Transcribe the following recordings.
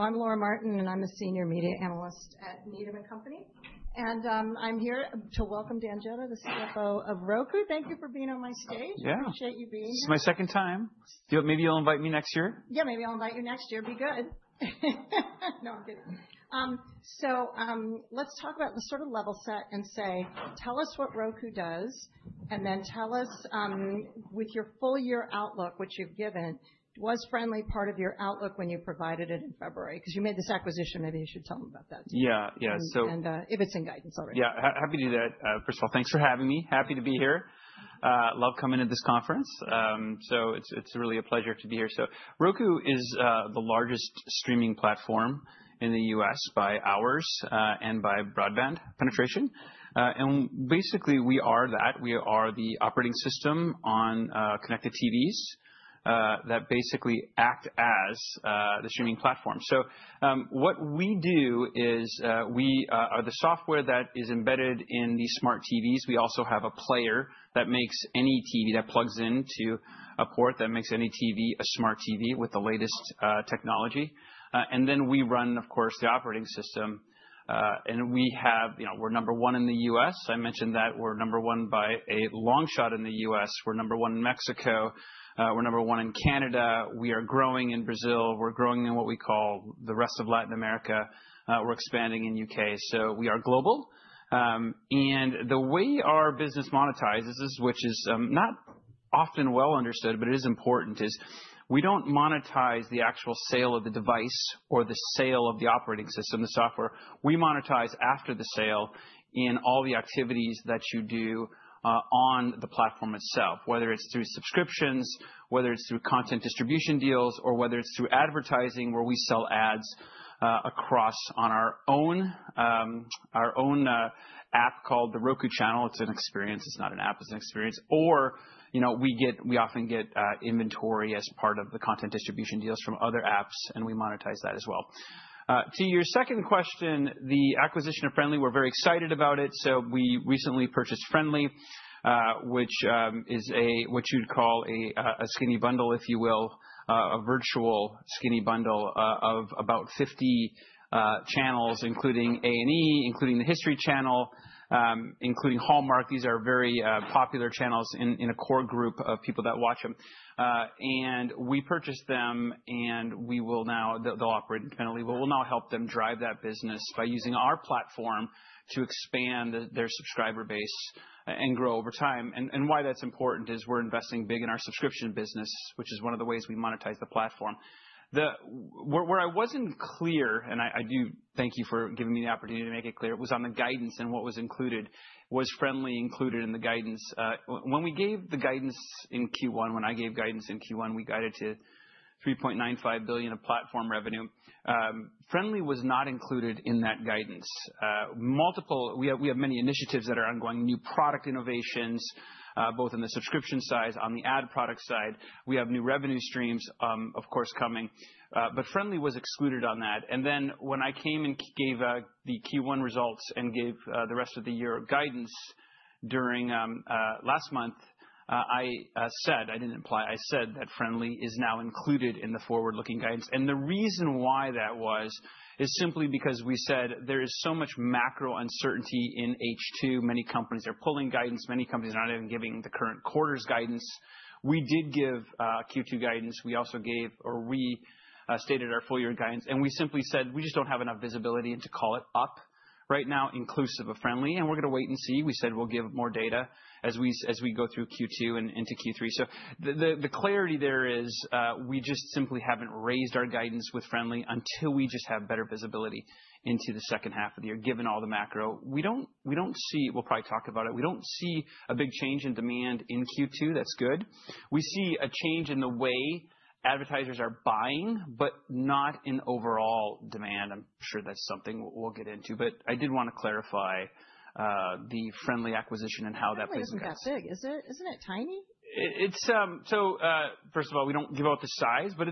I'm Laura Martin, and I'm a Senior Media Analyst at Needham & Company. I'm here to welcome Dan Jedda, the CFO of Roku. Thank you for being on my stage. Yeah. I appreciate you being here. This is my second time. Maybe you'll invite me next year. Yeah, maybe I'll invite you next year. Be good. No, I'm kidding. Let's talk about the sort of level set and say, tell us what Roku does, and then tell us, with your full-year outlook, which you've given, was Frndly part of your outlook when you provided it in February? Because you made this acquisition. Maybe you should tell them about that too. Yeah, yeah. If it's in guidance already. Yeah, happy to do that. First of all, thanks for having me. Happy to be here. Love coming to this conference. It is really a pleasure to be here. Roku is the largest streaming platform in the U.S. by hours and by broadband penetration. Basically, we are that. We are the operating system on connected TVs that basically act as the streaming platform. What we do is we are the software that is embedded in the smart TVs. We also have a player that makes any TV that plugs into a port that makes any TV a smart TV with the latest technology. We run, of course, the operating system. We are number one in the U.S. I mentioned that we are number one by a long shot in the U.S. We are number one in Mexico. We are number one in Canada. We are growing in Brazil. We're growing in what we call the rest of Latin America. We're expanding in the U.K. We are global. The way our business monetizes, which is not often well understood, but it is important, is we do not monetize the actual sale of the device or the sale of the operating system, the software. We monetize after the sale in all the activities that you do on the platform itself, whether it is through subscriptions, whether it is through content distribution deals, or whether it is through advertising, where we sell ads across on our own app called The Roku Channel. It is an experience. It is not an app. It is an experience. We often get inventory as part of the content distribution deals from other apps, and we monetize that as well. To your second question, the acquisition of Frndly, we are very excited about it. We recently purchased Frndly, which is what you'd call a skinny bundle, if you will, a virtual skinny bundle of about 50 channels, including A&E, including the History Channel, including Hallmark. These are very popular channels in a core group of people that watch them. We purchased them, and they will now operate independently, but we will now help them drive that business by using our platform to expand their subscriber base and grow over time. Why that's important is we're investing big in our subscription business, which is one of the ways we monetize the platform. Where I wasn't clear, and I do thank you for giving me the opportunity to make it clear, it was on the guidance and what was included. Was Frndly included in the guidance? When we gave the guidance in Q1, when I gave guidance in Q1, we guided to $3.95 billion of platform revenue. Frndly was not included in that guidance. Multiple we have many initiatives that are ongoing, new product innovations, both in the subscription side, on the ad product side. We have new revenue streams, of course, coming. Frndly was excluded on that. When I came and gave the Q1 results and gave the rest of the year guidance during last month, I said I did not imply I said that Frndly is now included in the forward-looking guidance. The reason why that was is simply because we said there is so much macro uncertainty in H2. Many companies are pulling guidance. Many companies are not even giving the current quarter's guidance. We did give Q2 guidance. We also gave or restated our full-year guidance. We just don't have enough visibility to call it up right now, inclusive of Frndly. We're going to wait and see. We said we'll give more data as we go through Q2 and into Q3. The clarity there is we just simply haven't raised our guidance with Frndly until we just have better visibility into the second half of the year, given all the macro. We don't see, we'll probably talk about it, we don't see a big change in demand in Q2. That's good. We see a change in the way advertisers are buying, but not in overall demand. I'm sure that's something we'll get into. I did want to clarify the Frndly acquisition and how that business. Frndly, that's big. Isn't it tiny? First of all, we do not give out the size, but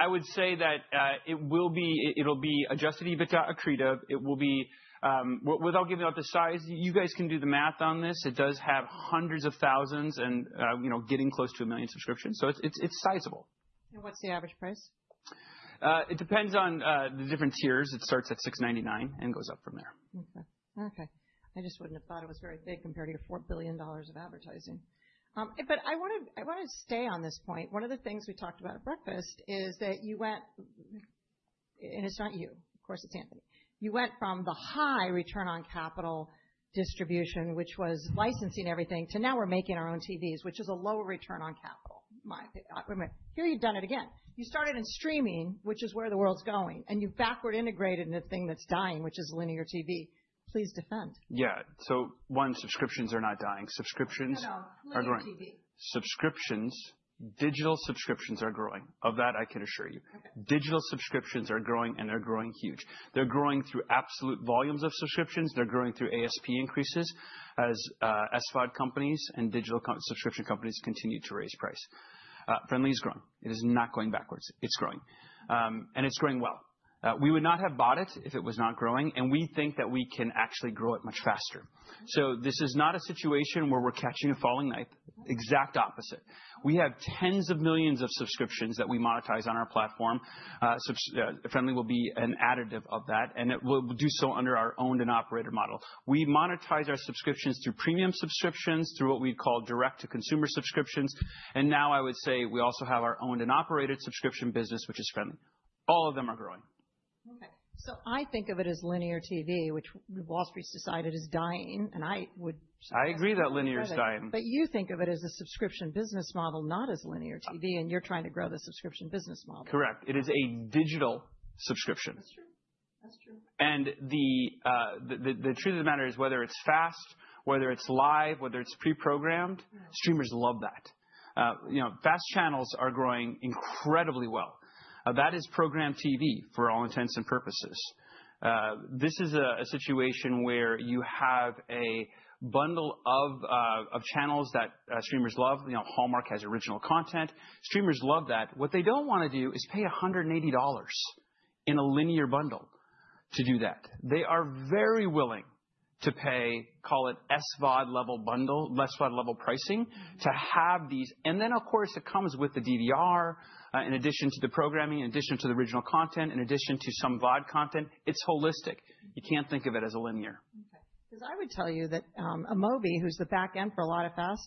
I would say that it will be adjusted to EBITDA, accretive. It will be, without giving out the size. You guys can do the math on this. It does have hundreds of thousands and getting close to a million subscriptions, so it is sizable. What's the average price? It depends on the different tiers. It starts at $699 and goes up from there. OK. OK. I just wouldn't have thought it was very big compared to your $4 billion of advertising. I want to stay on this point. One of the things we talked about at breakfast is that you went and it's not you. Of course, it's Anthony. You went from the high return on capital distribution, which was licensing everything, to now we're making our own TVs, which is a lower return on capital. Here you've done it again. You started in streaming, which is where the world's going, and you've backward integrated in a thing that's dying, which is linear TV. Please defend. Yeah. So one, subscriptions are not dying. Subscriptions. No, no. Linear TV. Subscriptions, digital subscriptions are growing. Of that, I can assure you. Digital subscriptions are growing, and they're growing huge. They're growing through absolute volumes of subscriptions. They're growing through ASP increases as SVOD companies and digital subscription companies continue to raise price. Frndly is growing. It is not going backwards. It's growing. And it's growing well. We would not have bought it if it was not growing. We think that we can actually grow it much faster. This is not a situation where we're catching a falling knife. Exact opposite. We have tens of millions of subscriptions that we monetize on our platform. Frndly will be an additive of that. We'll do so under our owned and operated model. We monetize our subscriptions through premium subscriptions, through what we call direct-to-consumer subscriptions. I would say we also have our owned and operated subscription business, which is Frndly. All of them are growing. OK. I think of it as linear TV, which Wall Street's decided is dying. And I would. I agree that linear is dying. You think of it as a subscription business model, not as linear TV. And you're trying to grow the subscription business model. Correct. It is a digital subscription. That's true. That's true. The truth of the matter is whether it's FAST, whether it's live, whether it's pre-programmed, streamers love that. FAST channels are growing incredibly well. That is programmed TV, for all intents and purposes. This is a situation where you have a bundle of channels that streamers love. Hallmark has original content. Streamers love that. What they do not want to do is pay $180 in a linear bundle to do that. They are very willing to pay, call it SVOD level bundle, less SVOD level pricing, to have these. Of course, it comes with the DVR in addition to the programming, in addition to the original content, in addition to some VOD content. It's holistic. You cannot think of it as a linear. OK. Because I would tell you that Amobee, who's the back end for a lot of FAST,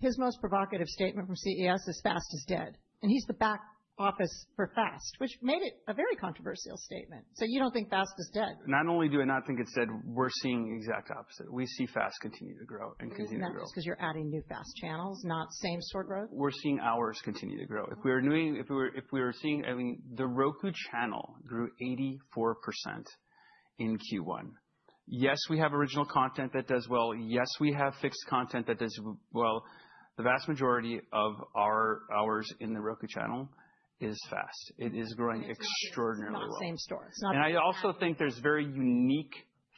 his most provocative statement from CES is FAST is dead. And he's the back office for FAST, which made it a very controversial statement. So you don't think FAST is dead. Not only do I not think it's dead, we're seeing the exact opposite. We see FAST continue to grow and continue to grow. That's because you're adding new FAST channels, not same-store growth? We're seeing hours continue to grow. If we were seeing, I mean, the Roku Channel grew 84% in Q1. Yes, we have original content that does well. Yes, we have fixed content that does well. The vast majority of our hours in the Roku Channel is FAST. It is growing extraordinarily well. It's not the same store. I also think there's very unique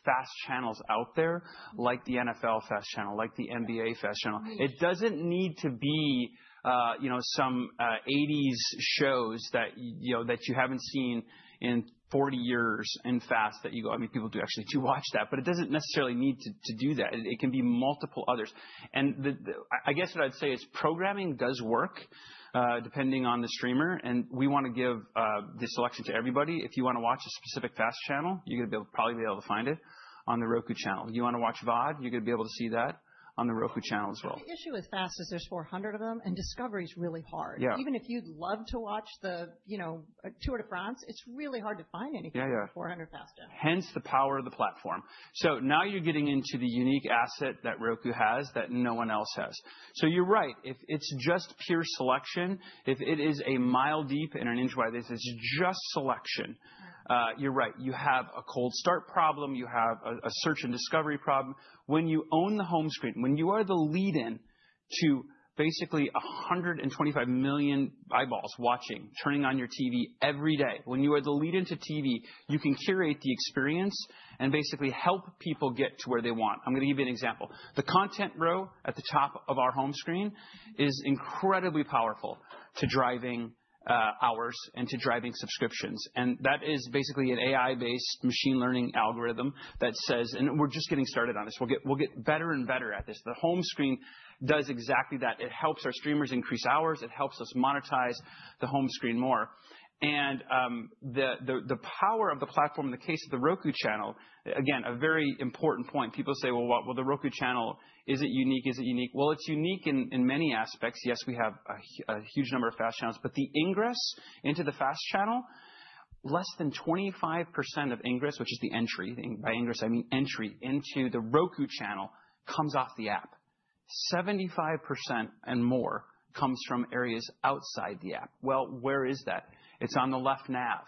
FAST channels out there, like the NFL FAST channel, like the NBA FAST channel. It doesn't need to be some 1980s shows that you haven't seen in 40 years in FAST that you go. I mean, people do actually do watch that. It doesn't necessarily need to do that. It can be multiple others. I guess what I'd say is programming does work, depending on the streamer. We want to give this selection to everybody. If you want to watch a specific FAST channel, you're going to probably be able to find it on The Roku Channel. You want to watch VOD, you're going to be able to see that on The Roku Channel as well. The issue with FAST is there's 400 of them, and discovery is really hard. Even if you'd love to watch the Tour de France, it's really hard to find anything with 400 FAST channels. Hence the power of the platform. Now you're getting into the unique asset that Roku has that no one else has. You're right. If it's just pure selection, if it is a mile deep and an inch wide, if it's just selection, you're right. You have a cold start problem. You have a search and discovery problem. When you own the home screen, when you are the lead-in to basically 125 million eyeballs watching, turning on your TV every day, when you are the lead-in to TV, you can curate the experience and basically help people get to where they want. I'm going to give you an example. The content row at the top of our home screen is incredibly powerful to driving hours and to driving subscriptions. That is basically an AI-based machine learning algorithm that says and we're just getting started on this. We'll get better and better at this. The home screen does exactly that. It helps our streamers increase hours. It helps us monetize the home screen more. The power of the platform, in the case of the Roku Channel, again, a very important point. People say, what? The Roku Channel, is it unique? Is it unique? It's unique in many aspects. Yes, we have a huge number of FAST channels. The ingress into the FAST channel, less than 25% of ingress, which is the entry. By ingress, I mean entry into the Roku Channel comes off the app. 75% and more comes from areas outside the app. Where is that? It's on the left nav.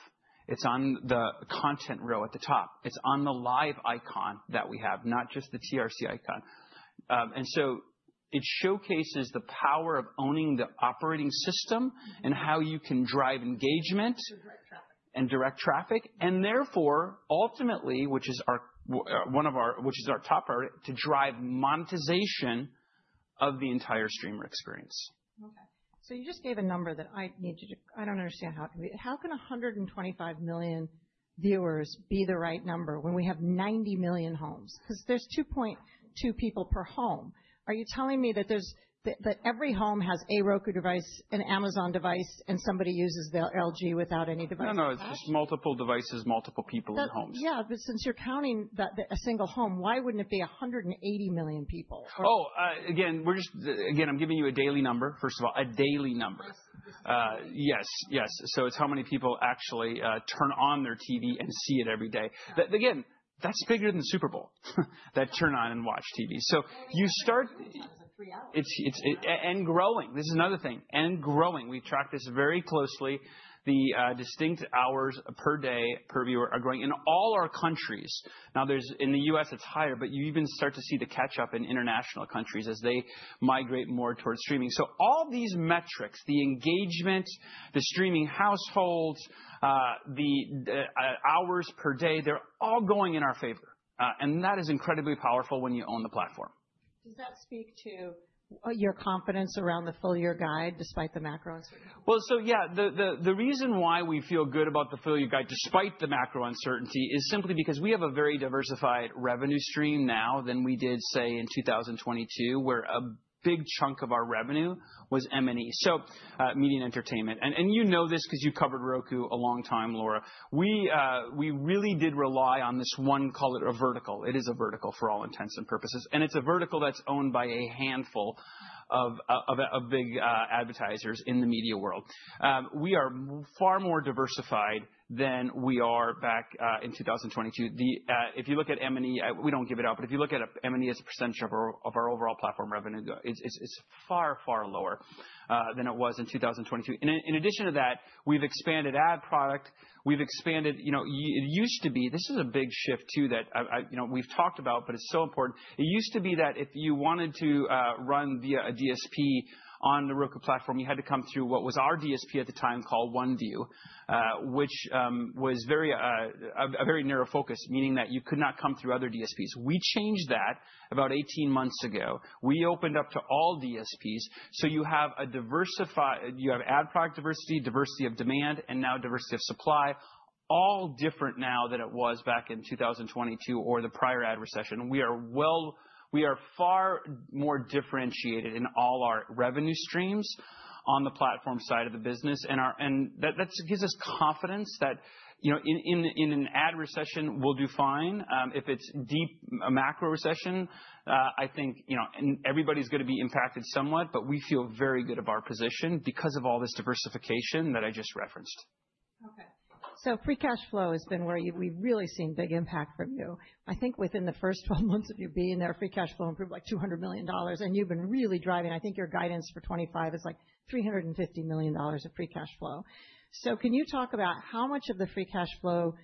It's on the content row at the top. It's on the live icon that we have, not just the TRC icon. It showcases the power of owning the operating system and how you can drive engagement. Direct traffic. Direct traffic. And therefore, ultimately, which is our one of our, which is our top priority, to drive monetization of the entire streamer experience. OK. So you just gave a number that I need to, I don't understand how it can be. How can 125 million viewers be the right number when we have 90 million homes? Because there's 2.2 people per home. Are you telling me that every home has a Roku device, an Amazon device, and somebody uses the LG without any device? No, no. It's just multiple devices, multiple people in homes. Yeah. Since you're counting a single home, why wouldn't it be 180 million people? Oh, again, we're just, again, I'm giving you a daily number, first of all, a daily number. Yes. Yes. Yes. So it's how many people actually turn on their TV and see it every day. Again, that's bigger than the Super Bowl, that turn on and watch TV. So you start. That's three hours. Growing. This is another thing. Growing. We track this very closely. The distinct hours per day per viewer are growing in all our countries. Now, in the U.S., it is higher. You even start to see the catch-up in international countries as they migrate more towards streaming. All these metrics, the engagement, the streaming households, the hours per day, they are all going in our favor. That is incredibly powerful when you own the platform. Does that speak to your confidence around the full-year guide, despite the macro uncertainty? The reason why we feel good about the full-year guide, despite the macro uncertainty, is simply because we have a very diversified revenue stream now than we did, say, in 2022, where a big chunk of our revenue was M&E, so media and entertainment. You know this because you covered Roku a long time, Laura. We really did rely on this one, call it a vertical. It is a vertical, for all intents and purposes. It is a vertical that's owned by a handful of big advertisers in the media world. We are far more diversified than we are back in 2022. If you look at M&E, we do not give it up. If you look at M&E as a percentage of our overall platform revenue, it is far, far lower than it was in 2022. In addition to that, we have expanded ad product. We've expanded it. It used to be, this is a big shift, too, that we've talked about, but it's so important. It used to be that if you wanted to run via a DSP on the Roku platform, you had to come through what was our DSP at the time called OneView, which was a very narrow focus, meaning that you could not come through other DSPs. We changed that about 18 months ago. We opened up to all DSPs. You have ad product diversity, diversity of demand, and now diversity of supply, all different now than it was back in 2022 or the prior ad recession. We are far more differentiated in all our revenue streams on the platform side of the business. That gives us confidence that in an ad recession, we'll do fine. If it's a deep macro recession, I think everybody's going to be impacted somewhat. We feel very good of our position because of all this diversification that I just referenced. OK. So free cash flow has been where we've really seen big impact from you. I think within the first 12 months of you being there, free cash flow improved like $200 million. And you've been really driving. I think your guidance for 2025 is like $350 million of free cash flow. So can you talk about how much of the free cash flow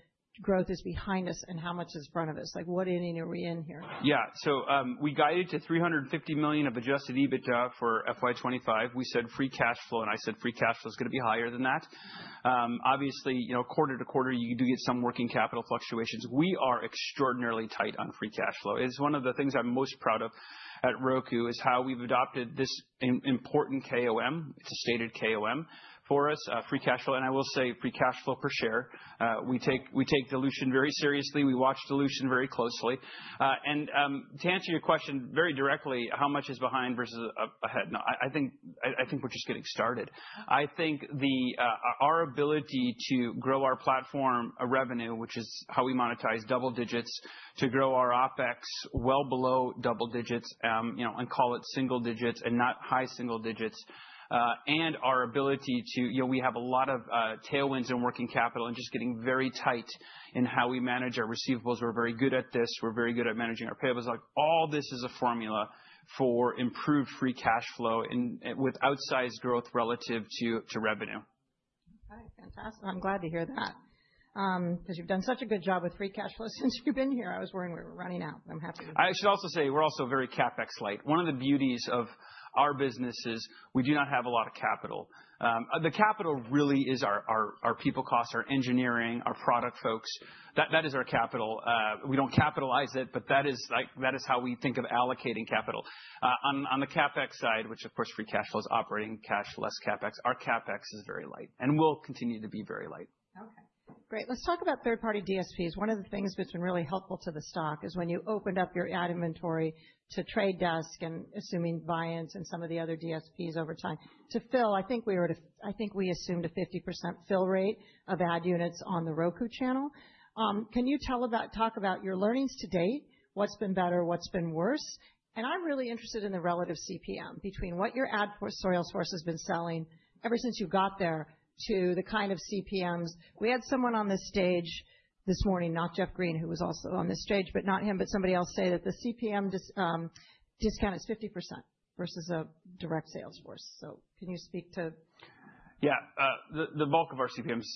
growth is behind us and how much is in front of us? Like, what ending are we in here? Yeah. So we guided to $350 million of adjusted EBITDA for FY 2025. We said free cash flow, and I said free cash flow is going to be higher than that. Obviously, quarter to quarter, you do get some working capital fluctuations. We are extraordinarily tight on free cash flow. It's one of the things I'm most proud of at Roku is how we've adopted this important KOM. It's a stated KOM for us, free cash flow. I will say free cash flow per share. We take dilution very seriously. We watch dilution very closely. To answer your question very directly, how much is behind versus ahead? I think we're just getting started. I think our ability to grow our platform revenue, which is how we monetize, double digits, to grow our OpEx well below double digits and call it single digits and not high single digits, and our ability to, we have a lot of tailwinds in working capital and just getting very tight in how we manage our receivables. We're very good at this. We're very good at managing our payables. All this is a formula for improved free cash flow and with outsized growth relative to revenue. OK. Fantastic. I'm glad to hear that. Because you've done such a good job with free cash flow since you've been here. I was worried we were running out. I'm happy to hear that. I should also say we're also very CapEx light. One of the beauties of our business is we do not have a lot of capital. The capital really is our people costs, our engineering, our product folks. That is our capital. We don't capitalize it. That is how we think of allocating capital. On the CapEx side, which, of course, free cash flow is operating cash less CapEx, our CapEx is very light. We'll continue to be very light. OK. Great. Let's talk about third-party DSPs. One of the things that's been really helpful to the stock is when you opened up your ad inventory to The Trade Desk and assuming Buy-Ins and some of the other DSPs over time to fill, I think we assumed a 50% fill rate of ad units on The Roku Channel. Can you talk about your learnings to date? What's been better? What's been worse? I'm really interested in the relative CPM between what your ad source has been selling ever since you got there to the kind of CPMs we had someone on the stage this morning, not Jeff Green, who was also on the stage, but not him, but somebody else say that the CPM discount is 50% versus a direct sales force. Can you speak to. Yeah. The bulk of our CPMs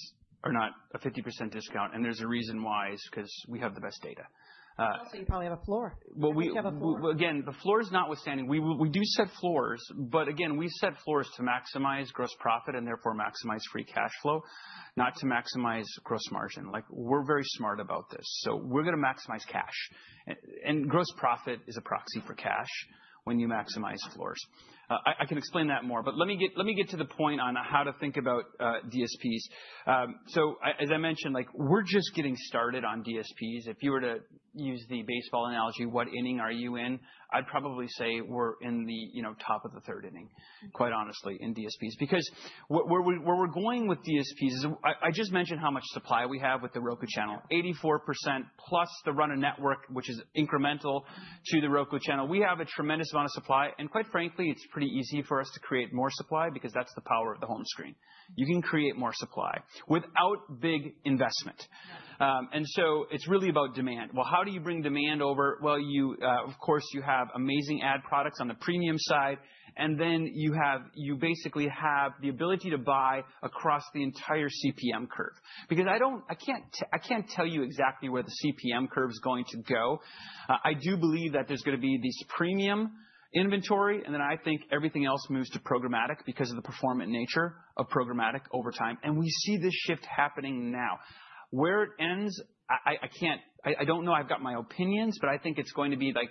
are not a 50% discount. And there's a reason why, is because we have the best data. Also, you probably have a floor. Again, the floor is notwithstanding. We do set floors. Again, we set floors to maximize gross profit and therefore maximize free cash flow, not to maximize gross margin. We are very smart about this. We are going to maximize cash. Gross profit is a proxy for cash when you maximize floors. I can explain that more. Let me get to the point on how to think about DSPs. As I mentioned, we are just getting started on DSPs. If you were to use the baseball analogy, what inning are you in? I would probably say we are in the top of the third inning, quite honestly, in DSPs. Where we are going with DSPs is I just mentioned how much supply we have with The Roku Channel, 84% plus the run of network, which is incremental to The Roku Channel. We have a tremendous amount of supply. Quite frankly, it's pretty easy for us to create more supply because that's the power of the home screen. You can create more supply without big investment. It's really about demand. How do you bring demand over? Of course, you have amazing ad products on the premium side. You basically have the ability to buy across the entire CPM curve. I can't tell you exactly where the CPM curve is going to go. I do believe that there's going to be this premium inventory. I think everything else moves to programmatic because of the performant nature of programmatic over time. We see this shift happening now. Where it ends, I don't know. I've got my opinions. I think it's going to be like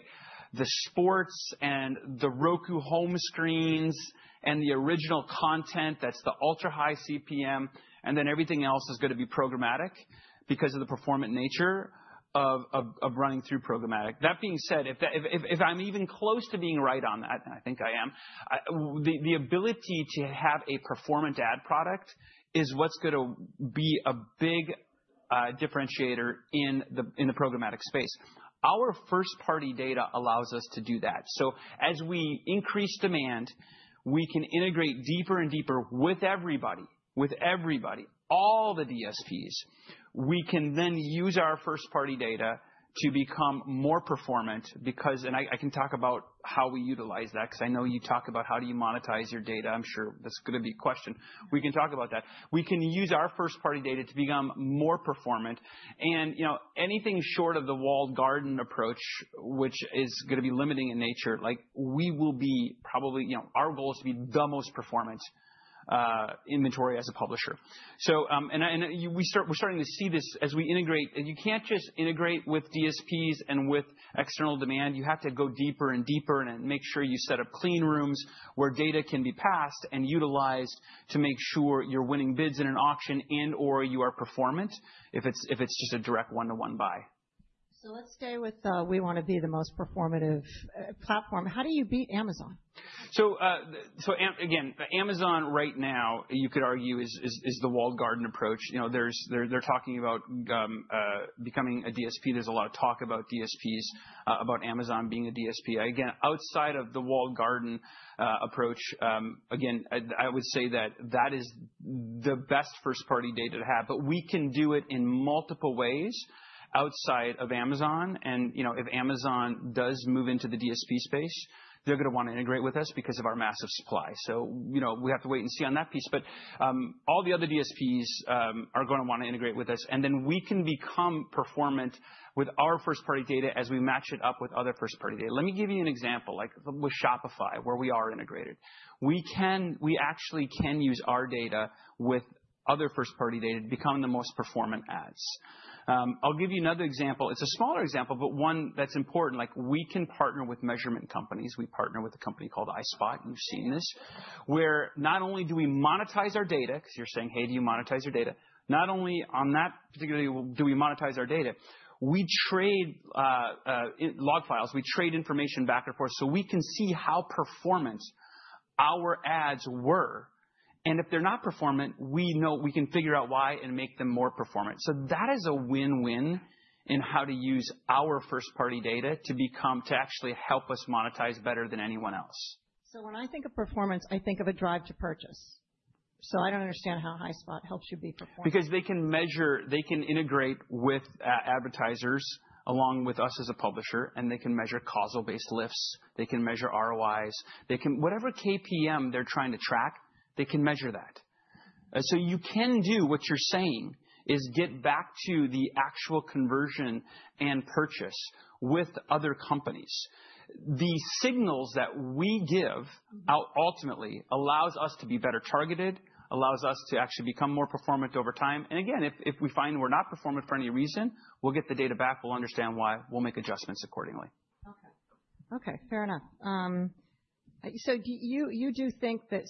the sports and the Roku home screens and the original content that's the ultra high CPM. Then everything else is going to be programmatic because of the performant nature of running through programmatic. That being said, if I'm even close to being right on that, and I think I am, the ability to have a performant ad product is what's going to be a big differentiator in the programmatic space. Our first-party data allows us to do that. As we increase demand, we can integrate deeper and deeper with everybody, all the DSPs. We can then use our first-party data to become more performant. I can talk about how we utilize that because I know you talk about how do you monetize your data. I'm sure that's going to be a question. We can talk about that. We can use our first-party data to become more performant. Anything short of the walled garden approach, which is going to be limiting in nature, we will be probably our goal is to be the most performant inventory as a publisher. We are starting to see this as we integrate. You cannot just integrate with DSPs and with external demand. You have to go deeper and deeper and make sure you set up clean rooms where data can be passed and utilized to make sure you are winning bids in an auction and/or you are performant if it is just a direct one-to-one buy. Let's stay with we want to be the most performative platform. How do you beat Amazon? Again, Amazon right now, you could argue, is the walled garden approach. They're talking about becoming a DSP. There's a lot of talk about DSPs, about Amazon being a DSP. Again, outside of the walled garden approach, I would say that that is the best first-party data to have. We can do it in multiple ways outside of Amazon. If Amazon does move into the DSP space, they're going to want to integrate with us because of our massive supply. We have to wait and see on that piece. All the other DSPs are going to want to integrate with us. Then we can become performant with our first-party data as we match it up with other first-party data. Let me give you an example, like with Shopify, where we are integrated. We actually can use our data with other first-party data to become the most performant ads. I'll give you another example. It's a smaller example, but one that's important. We can partner with measurement companies. We partner with a company called iSpot. You've seen this, where not only do we monetize our data because you're saying, hey, do you monetize your data? Not only on that particularly, do we monetize our data. We trade log files. We trade information back and forth. We can see how performant our ads were. If they're not performant, we can figure out why and make them more performant. That is a win-win in how to use our first-party data to actually help us monetize better than anyone else. When I think of performance, I think of a drive to purchase. I don't understand how iSpot helps you be performant. Because they can integrate with advertisers along with us as a publisher. They can measure causal-based lifts. They can measure ROIs. Whatever KPI they are trying to track, they can measure that. You can do what you are saying is get back to the actual conversion and purchase with other companies. The signals that we give ultimately allow us to be better targeted, allow us to actually become more performant over time. Again, if we find we are not performant for any reason, we will get the data back. We will understand why. We will make adjustments accordingly. OK. OK. Fair enough. You do think that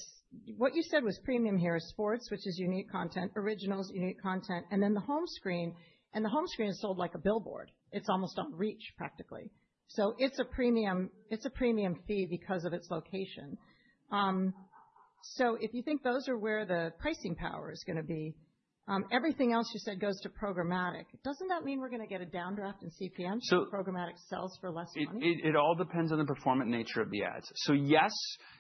what you said was premium here is sports, which is unique content, originals, unique content, and then the home screen. The home screen is sold like a billboard. It is almost on reach, practically. It is a premium fee because of its location. If you think those are where the pricing power is going to be, everything else you said goes to programmatic. Does not that mean we are going to get a downdraft in CPM? So. Programmatic sells for less money? It all depends on the performant nature of the ads. Yes,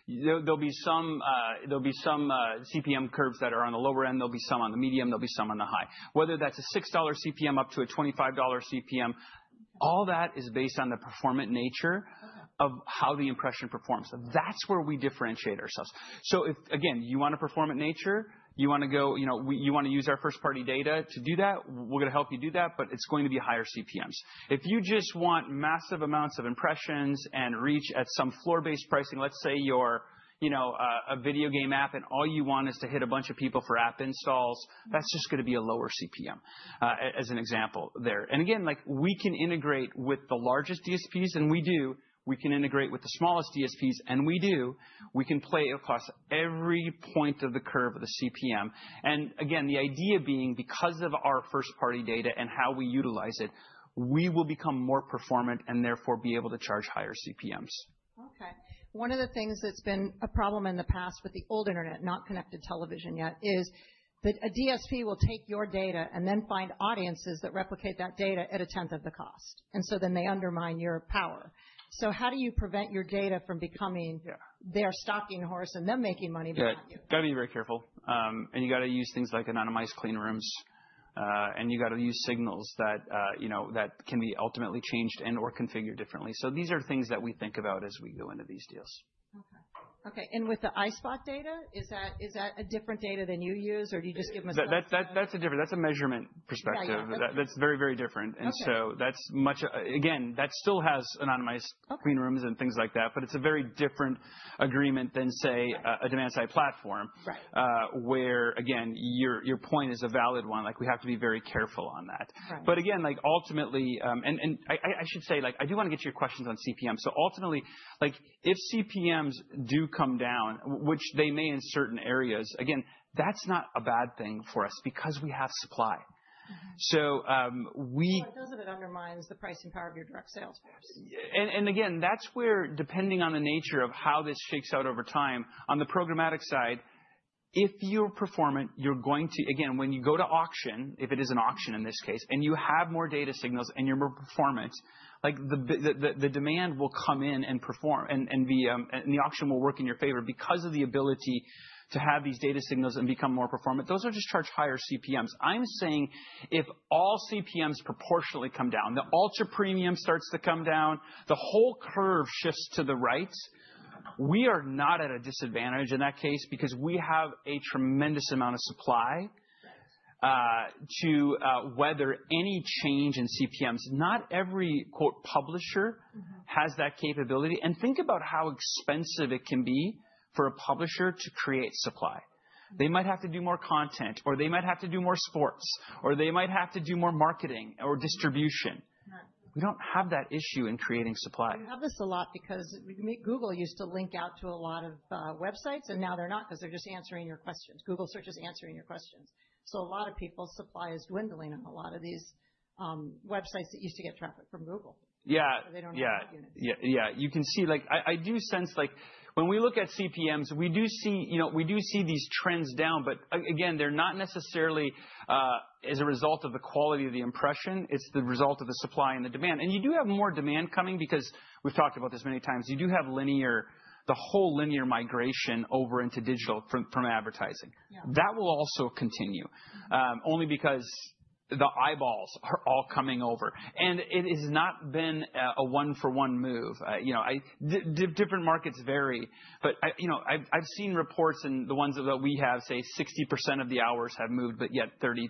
there'll be some CPM curves that are on the lower end. There'll be some on the medium. There'll be some on the high. Whether that's a $6 CPM up to a $25 CPM, all that is based on the performant nature of how the impression performs. That's where we differentiate ourselves. Again, you want a performant nature. You want to use our first-party data to do that. We're going to help you do that. It's going to be higher CPMs. If you just want massive amounts of impressions and reach at some floor-based pricing, let's say you're a video game app and all you want is to hit a bunch of people for app installs, that's just going to be a lower CPM, as an example there. Again, we can integrate with the largest DSPs. We can integrate with the smallest DSPs. We can play across every point of the curve of the CPM. The idea being, because of our first-party data and how we utilize it, we will become more performant and therefore be able to charge higher CPMs. OK. One of the things that's been a problem in the past with the old internet, not connected television yet, is that a DSP will take your data and then find audiences that replicate that data at a tenth of the cost. And so then they undermine your power. How do you prevent your data from becoming their stalking horse and them making money behind you? You've got to be very careful. You've got to use things like anonymized clean rooms. You've got to use signals that can be ultimately changed and/or configured differently. These are things that we think about as we go into these deals. OK. OK. With the iSpot data, is that a different data than you use? Or do you just give them a sense? That's a measurement perspective. That's very, very different. Again, that still has anonymized clean rooms and things like that. It is a very different agreement than, say, a demand-side platform, where, again, your point is a valid one. We have to be very careful on that. Again, ultimately, I should say, I do want to get to your questions on CPM. Ultimately, if CPMs do come down, which they may in certain areas, that's not a bad thing for us because we have supply. We. It does undermine the pricing power of your direct sales, perhaps. Again, that's where, depending on the nature of how this shakes out over time, on the programmatic side, if you're performant, you're going to, when you go to auction, if it is an auction in this case, and you have more data signals and you're more performant, the demand will come in and perform. The auction will work in your favor because of the ability to have these data signals and become more performant. Those are just charged higher CPMs. I'm saying if all CPMs proportionately come down, the ultra premium starts to come down, the whole curve shifts to the right, we are not at a disadvantage in that case because we have a tremendous amount of supply to weather any change in CPMs. Not every "publisher" has that capability. Think about how expensive it can be for a publisher to create supply. They might have to do more content. Or they might have to do more sports. Or they might have to do more marketing or distribution. We do not have that issue in creating supply. We have this a lot because Google used to link out to a lot of websites. Now they're not because they're just answering your questions. Google search is answering your questions. A lot of people's supply is dwindling on a lot of these websites that used to get traffic from Google. Yeah. They don't have that unit. Yeah. Yeah. You can see I do sense when we look at CPMs, we do see these trends down. Again, they're not necessarily as a result of the quality of the impression. It's the result of the supply and the demand. You do have more demand coming because we've talked about this many times. You do have the whole linear migration over into digital from advertising. That will also continue only because the eyeballs are all coming over. It has not been a one-for-one move. Different markets vary. I've seen reports in the ones that we have, say, 60% of the hours have moved, but yet 30%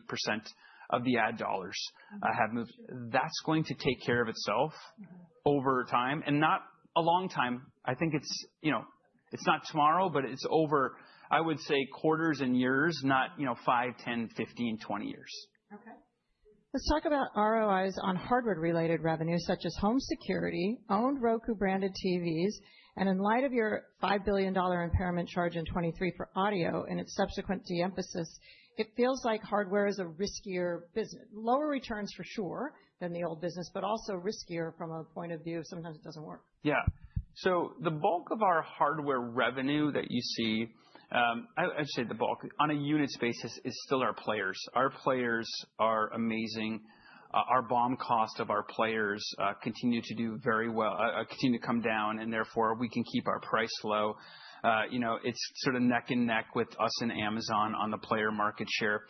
of the ad dollars have moved. That's going to take care of itself over time and not a long time. I think it's not tomorrow, but it's over, I would say, quarters and years, not 5, 10, 15, 20 years. OK. Let's talk about ROIs on hardware-related revenue, such as home security, owned Roku-branded TVs. In light of your $5 billion impairment charge in 2023 for audio and its subsequent de-emphasis, it feels like hardware is a riskier business, lower returns for sure than the old business, but also riskier from a point of view of sometimes it doesn't work. Yeah. So the bulk of our hardware revenue that you see, I should say the bulk, on a units basis, is still our players. Our players are amazing. Our BOM cost of our players continue to do very well, continue to come down. And therefore, we can keep our price low. It's sort of neck and neck with us and Amazon on the player market share.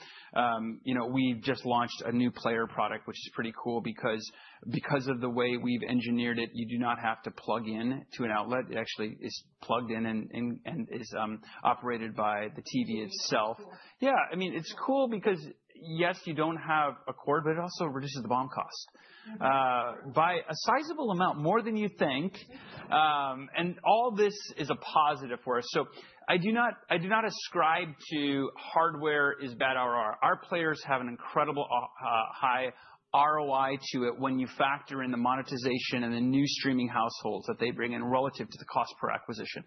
We just launched a new player product, which is pretty cool because of the way we've engineered it. You do not have to plug in to an outlet. It actually is plugged in and is operated by the TV itself. That's cool. Yeah. I mean, it's cool because, yes, you don't have a core, but it also reduces the BOM cost by a sizable amount, more than you think. And all this is a positive for us. So I do not ascribe to hardware is bad ROI. Our players have an incredible high ROI to it when you factor in the monetization and the new streaming households that they bring in relative to the cost per acquisition.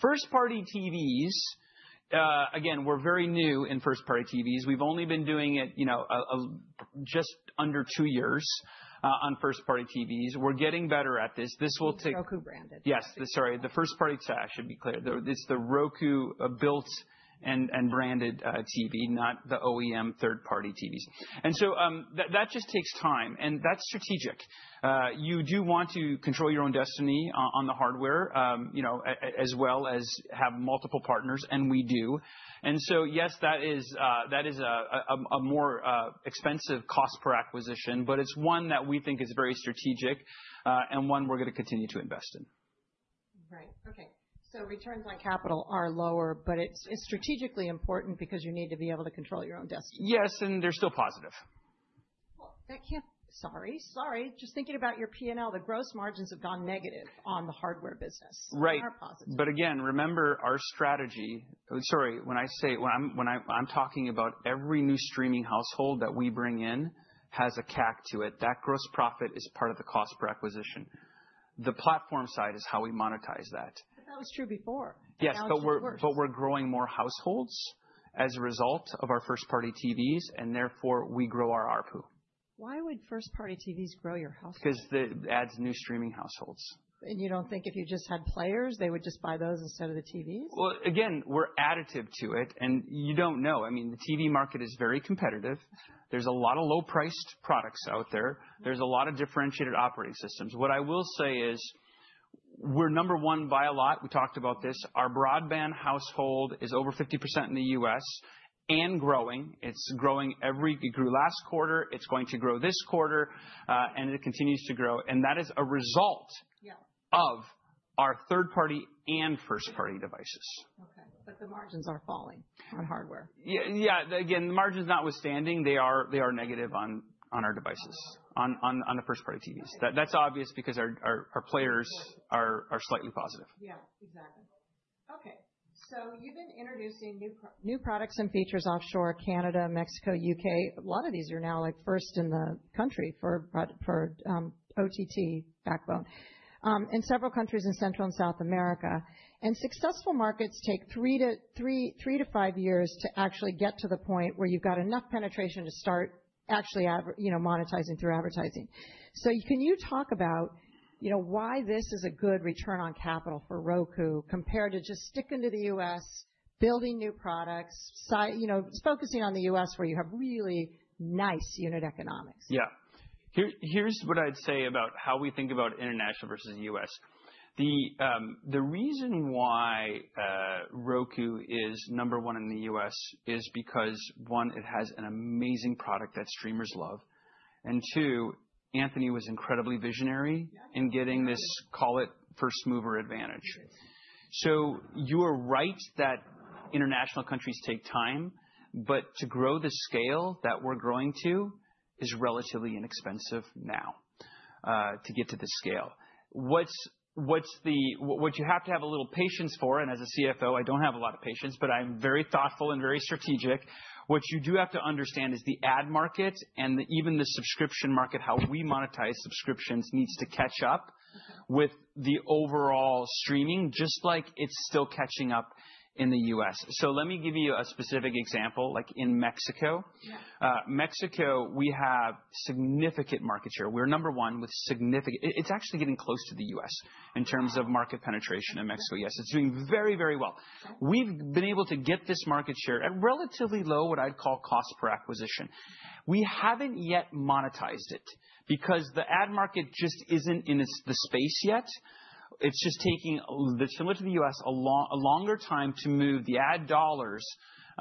First-party TVs, again, we're very new in first-party TVs. We've only been doing it just under two years on first-party TVs. We're getting better at this. This will take. Roku-branded. Yes. Sorry. The first-party I should be clear. It's the Roku-built and branded TV, not the OEM third-party TVs. That just takes time. That is strategic. You do want to control your own destiny on the hardware as well as have multiple partners. We do. Yes, that is a more expensive cost per acquisition. It is one that we think is very strategic and one we're going to continue to invest in. Right. OK. So returns on capital are lower. But it's strategically important because you need to be able to control your own destiny. Yes. They're still positive. Sorry. Sorry. Just thinking about your P&L, the gross margins have gone negative on the hardware business. Right. They are positive. Again, remember our strategy. Sorry. When I'm talking about every new streaming household that we bring in has a CAC to it. That gross profit is part of the cost per acquisition. The platform side is how we monetize that. That was true before. Yes. We are growing more households as a result of our first-party TVs. And therefore, we grow our RPU. Why would first-party TVs grow your households? Because it adds new streaming households. You do not think if you just had players, they would just buy those instead of the TVs? Again, we're additive to it. You don't know. I mean, the TV market is very competitive. There's a lot of low-priced products out there. There's a lot of differentiated operating systems. What I will say is we're number one by a lot. We talked about this. Our broadband household is over 50% in the U.S. and growing. It's growing every it grew last quarter. It's going to grow this quarter. It continues to grow. That is a result of our third-party and first-party devices. OK. The margins are falling on hardware. Yeah. Again, the margins, notwithstanding, they are negative on our devices, on the first-party TVs. That's obvious because our players are slightly positive. Yeah. Exactly. OK. You have been introducing new products and features offshore, Canada, Mexico, U.K. A lot of these are now first in the country for OTT backbone, in several countries in Central and South America. Successful markets take three to five years to actually get to the point where you have got enough penetration to start actually monetizing through advertising. Can you talk about why this is a good return on capital for Roku compared to just sticking to the U.S., building new products, focusing on the U.S., where you have really nice unit economics? Yeah. Here's what I'd say about how we think about international versus U.S. The reason why Roku is number one in the U.S. is because, one, it has an amazing product that streamers love. And two, Anthony was incredibly visionary in getting this, call it, first mover advantage. You are right that international countries take time. To grow the scale that we're growing to is relatively inexpensive now to get to this scale. What you have to have a little patience for, and as a CFO, I don't have a lot of patience. I'm very thoughtful and very strategic. What you do have to understand is the ad market and even the subscription market, how we monetize subscriptions, needs to catch up with the overall streaming, just like it's still catching up in the U.S. Let me give you a specific example. In Mexico, we have significant market share. We're number one with significant, it's actually getting close to the U.S. in terms of market penetration in Mexico. Yes. It's doing very, very well. We've been able to get this market share at relatively low, what I'd call, cost per acquisition. We haven't yet monetized it because the ad market just isn't in the space yet. It's just taking, similar to the U.S., a longer time to move the ad dollars.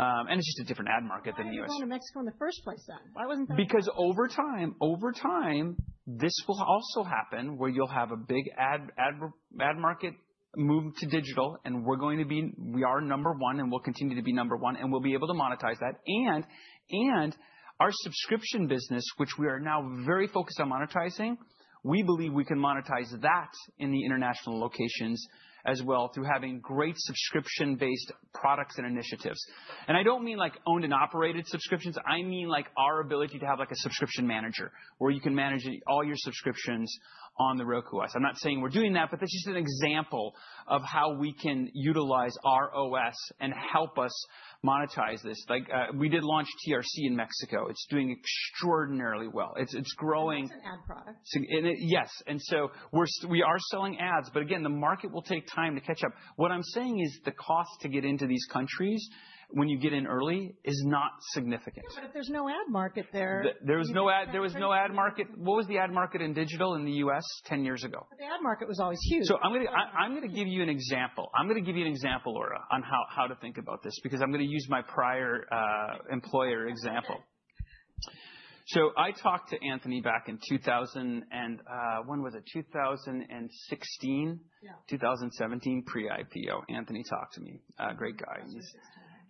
It's just a different ad market than the U.S. Why isn't it Mexico in the first place then? Why wasn't that? Because over time, this will also happen, where you'll have a big ad market move to digital. We are number one. We will continue to be number one. We will be able to monetize that. Our subscription business, which we are now very focused on monetizing, we believe we can monetize that in the international locations as well through having great subscription-based products and initiatives. I do not mean owned and operated subscriptions. I mean our ability to have a subscription manager, where you can manage all your subscriptions on the Roku OS. I am not saying we are doing that. That is just an example of how we can utilize our OS and help us monetize this. We did launch TRC in Mexico. It is doing extraordinarily well. It is growing. It's an ad product. Yes. We are selling ads. The market will take time to catch up. What I'm saying is the cost to get into these countries when you get in early is not significant. If there's no ad market there. There was no ad market. What was the ad market in digital in the U.S. 10 years ago? The ad market was always huge. I'm going to give you an example. I'm going to give you an example, Laura, on how to think about this because I'm going to use my prior employer example. I talked to Anthony back in 2000 and when was it? 2016, 2017 pre-IPO. Anthony talked to me. Great guy.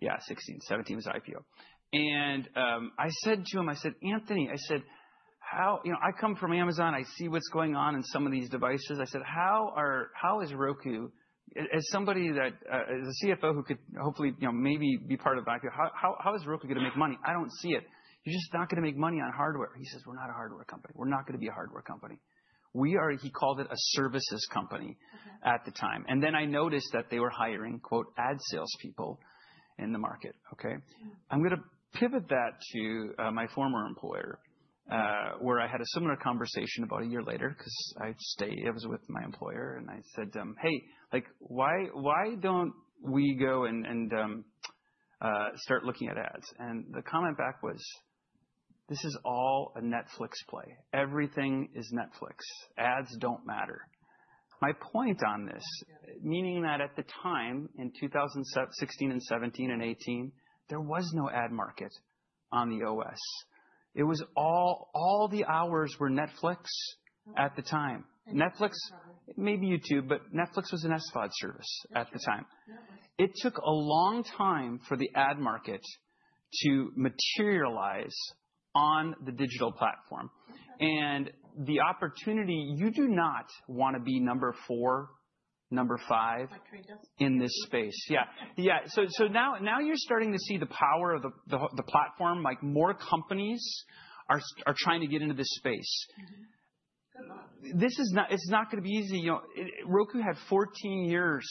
2016. Yeah. 2016. 2017 was IPO. I said to him, I said, "Anthony," I said, "I come from Amazon. I see what's going on in some of these devices." I said, "How is Roku, as somebody that is a CFO who could hopefully maybe be part of IPO, how is Roku going to make money? I don't see it. You're just not going to make money on hardware." He says, "We're not a hardware company. We're not going to be a hardware company." He called it a services company at the time. I noticed that they were hiring "ad salespeople" in the market. OK. I'm going to pivot that to my former employer, where I had a similar conversation about a year later because I was with my employer. I said, "Hey, why don't we go and start looking at ads?" The comment back was, "This is all a Netflix play. Everything is Netflix. Ads don't matter." My point on this, meaning that at the time in 2016 and 2017 and 2018, there was no ad market on the OS. All the hours were Netflix at the time. Netflix, maybe YouTube. Netflix was an SVOD service at the time. It took a long time for the ad market to materialize on the digital platform. The opportunity is you do not want to be number four, number five in this space. Yeah. Yeah. Now you're starting to see the power of the platform. More companies are trying to get into this space. It's not going to be easy. Roku had 14 years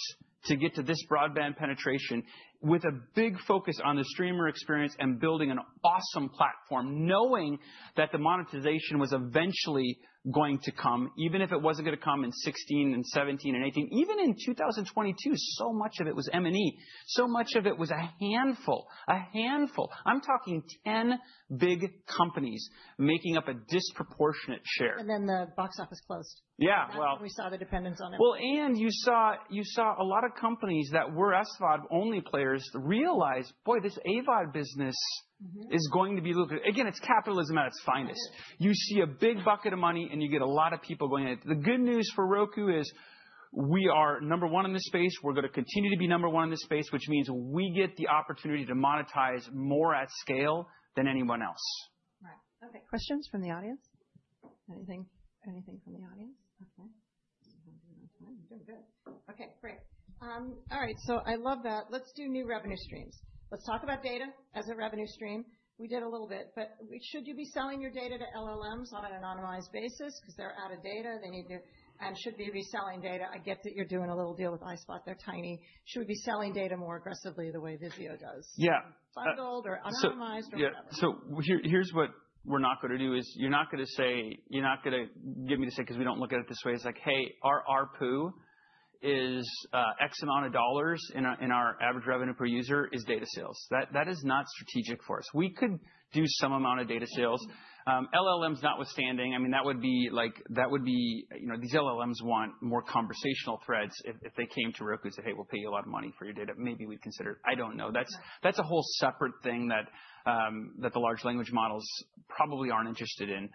to get to this broadband penetration with a big focus on the streamer experience and building an awesome platform, knowing that the monetization was eventually going to come, even if it was not going to come in 2016 and 2017 and 2018. Even in 2022, so much of it was M&E. So much of it was a handful, a handful. I am talking 10 big companies making up a disproportionate share. The box office closed. Yeah. Well. We saw the dependence on it. You saw a lot of companies that were SVOD-only players realize, boy, this AVOD business is going to be looking again, it's capitalism at its finest. You see a big bucket of money. And you get a lot of people going at it. The good news for Roku is we are number one in this space. We're going to continue to be number one in this space, which means we get the opportunity to monetize more at scale than anyone else. Right. OK. Questions from the audience? Anything from the audience? OK. We're doing good. OK. Great. All right. I love that. Let's do new revenue streams. Let's talk about data as a revenue stream. We did a little bit. Should you be selling your data to LLMs on an anonymized basis because they're out of data and should be reselling data? I get that you're doing a little deal with iSpot. They're tiny. Should we be selling data more aggressively the way Vizio does? Yeah. Find old or anonymized or whatever? Yeah. So here's what we're not going to do is you're not going to say, you're not going to get me to say, because we don't look at it this way, is like, hey, our RPU is X amount of dollars and our average revenue per user is data sales. That is not strategic for us. We could do some amount of data sales. LLMs, notwithstanding, I mean, that would be, these LLMs want more conversational threads. If they came to Roku and said, hey, we'll pay you a lot of money for your data, maybe we'd consider. I don't know. That's a whole separate thing that the large language models probably aren't interested in.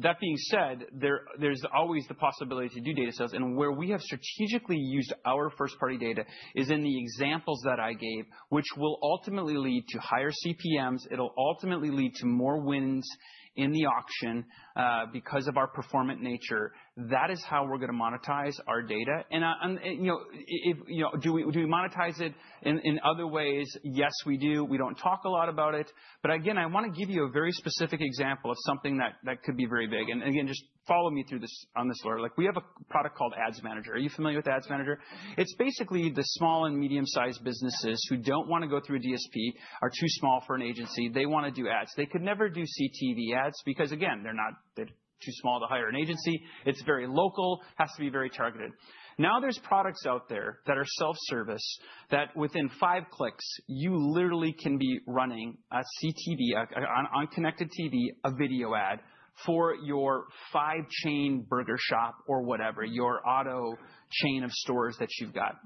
That being said, there's always the possibility to do data sales. Where we have strategically used our first-party data is in the examples that I gave, which will ultimately lead to higher CPMs. It'll ultimately lead to more wins in the auction because of our performant nature. That is how we're going to monetize our data. Do we monetize it in other ways? Yes, we do. We do not talk a lot about it. Again, I want to give you a very specific example of something that could be very big. Again, just follow me through this on this slide. We have a product called Ads Manager. Are you familiar with Ads Manager? It is basically the small and medium-sized businesses who do not want to go through a DSP, are too small for an agency. They want to do ads. They could never do CTV ads because, again, they are too small to hire an agency. It is very local. It has to be very targeted. Now there's products out there that are self-service that within five clicks, you literally can be running a CTV, on connected TV, a video ad for your five-chain burger shop or whatever, your auto chain of stores that you've got.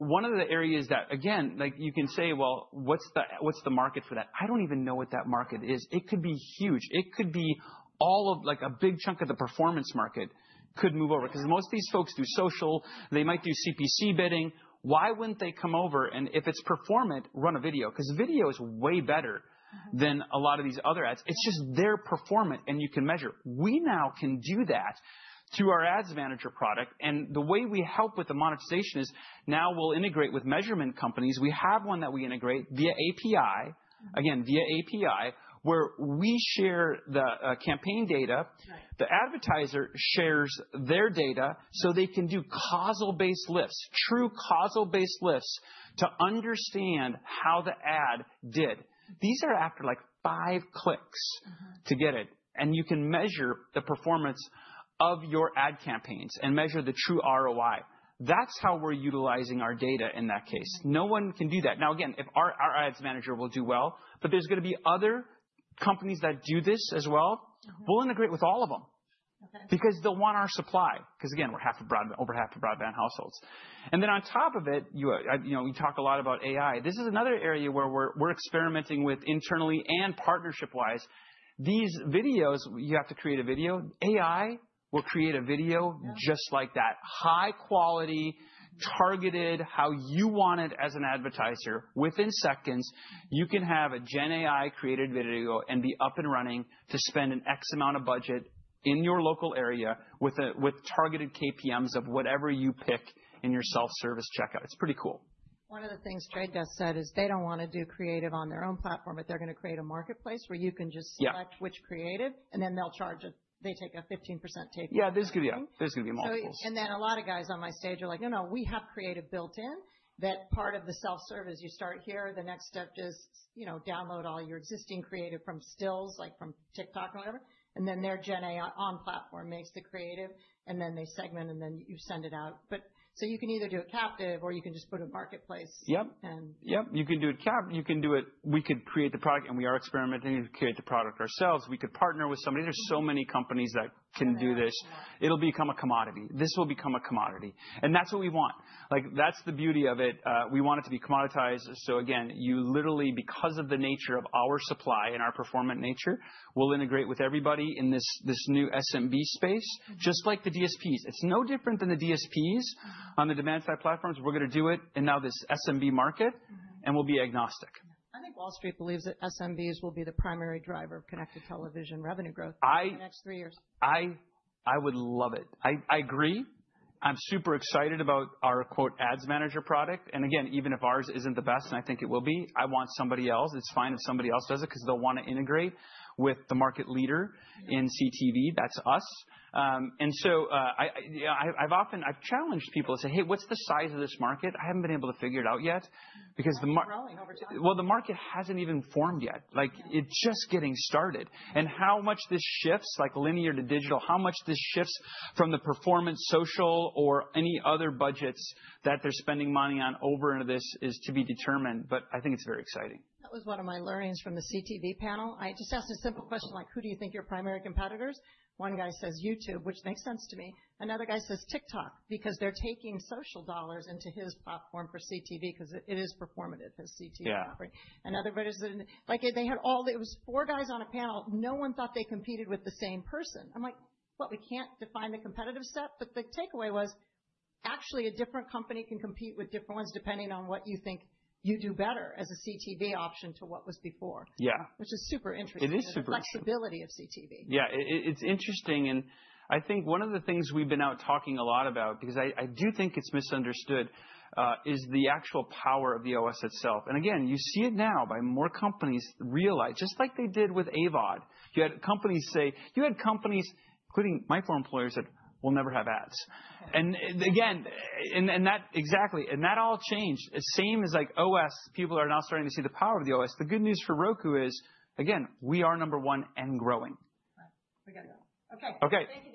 One of the areas that, again, you can say, well, what's the market for that? I don't even know what that market is. It could be huge. It could be all of a big chunk of the performance market could move over because most of these folks do social. They might do CPC bidding. Why wouldn't they come over? If it's performant, run a video because video is way better than a lot of these other ads. It's just they're performant. You can measure. We now can do that through our Ads Manager product. The way we help with the monetization is now we will integrate with measurement companies. We have one that we integrate via API, again, via API, where we share the campaign data. The advertiser shares their data so they can do causal-based lifts, true causal-based lifts to understand how the ad did. These are after like five clicks to get it. You can measure the performance of your ad campaigns and measure the true ROI. That is how we are utilizing our data in that case. No one can do that. If our Ads Manager will do well, but there are going to be other companies that do this as well, we will integrate with all of them because they will want our supply because, again, we are half of broadband, over half of broadband households. On top of it, we talk a lot about AI. This is another area where we're experimenting with internally and partnership-wise. These videos, you have to create a video. AI will create a video just like that, high quality, targeted how you want it as an advertiser within seconds. You can have a GenAI-created video and be up and running to spend an X amount of budget in your local area with targeted KPIs of whatever you pick in your self-service checkout. It's pretty cool. One of the things The Trade Desk said is they don't want to do creative on their own platform, but they're going to create a marketplace where you can just select which creative. They take a 15% takeout. Yeah. There's going to be a month. A lot of guys on my stage are like, no, no, we have creative built in that part of the self-service. You start here. The next step is download all your existing creative from stills, like from TikTok or whatever. And then their GenAI on platform makes the creative. And then they segment. And then you send it out. You can either do a captive or you can just put a marketplace. Yep. Yep. You can do a captive. You can do it. We could create the product. And we are experimenting to create the product ourselves. We could partner with somebody. There are so many companies that can do this. It will become a commodity. This will become a commodity. That is what we want. That is the beauty of it. We want it to be commoditized. Again, you literally, because of the nature of our supply and our performant nature, we will integrate with everybody in this new SMB space, just like the DSPs. It is no different than the DSPs on the demand-side platforms. We are going to do it in now this SMB market. We will be agnostic. I think Wall Street believes that SMBs will be the primary driver of connected television revenue growth in the next three years. I would love it. I agree. I'm super excited about our Ads Manager product. Again, even if ours isn't the best, and I think it will be, I want somebody else. It's fine if somebody else does it because they'll want to integrate with the market leader in CTV. That's us. I have challenged people to say, hey, what's the size of this market? I haven't been able to figure it out yet because the. It's growing over time. The market hasn't even formed yet. It's just getting started. How much this shifts, like linear to digital, how much this shifts from the performance, social, or any other budgets that they're spending money on over into this is to be determined. I think it's very exciting. That was one of my learnings from the CTV panel. I just asked a simple question, like, who do you think your primary competitors are? One guy says YouTube, which makes sense to me. Another guy says TikTok because they're taking social dollars into his platform for CTV because it is performative, his CTV offering. And everybody's like, they had all, it was four guys on a panel. No one thought they competed with the same person. I'm like, we can't define the competitive set. The takeaway was actually a different company can compete with different ones depending on what you think you do better as a CTV option to what was before, which is super interesting. It is super interesting. The flexibility of CTV. Yeah. It's interesting. I think one of the things we've been out talking a lot about, because I do think it's misunderstood, is the actual power of the OS itself. Again, you see it now by more companies realize, just like they did with AVOD. You had companies, including my former employer, say, we'll never have ads. Again, exactly. That all changed. Same as like OS. People are now starting to see the power of the OS. The good news for Roku is, again, we are number one and growing. We're good. OK. OK. Thank you.